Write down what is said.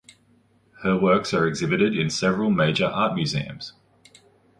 Her works are exhibited in several major art museums.